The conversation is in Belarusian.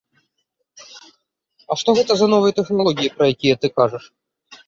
А што гэта за новыя тэхналогіі, пра якія ты кажаш?